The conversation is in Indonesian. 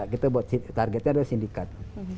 kita targetnya adalah sindikat